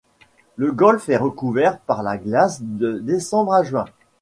Le golfe est recouvert par la glace de décembre à juin.